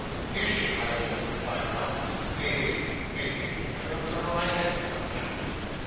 'Is she, my lord?' replied Ralph. 'Maybe maybe I don't trouble my head with such matters.